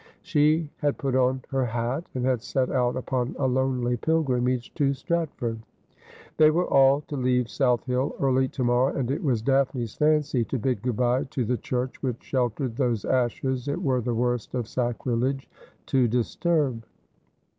She had put on her hat, and had set out upon a lonely pilgrimage to fctratford. They were all to leave South Hill early to morrow, and it was Daphne's fancy to bid good bye to the church which sheltered those ashes it were the worst of sacrilege to disturb.